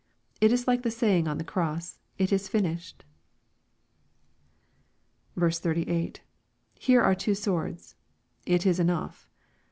It is like the saying on the cross, " It is finished." 58. — [Here are two swords„.It ts enough.